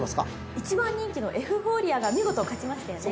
１番人気のエフフォーリアが見事勝ちましたよね。